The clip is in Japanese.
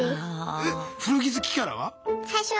えっ古着好きキャラは？